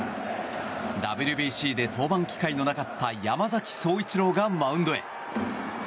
ＷＢＣで登板機会のなかった山崎颯一郎がマウンドへ。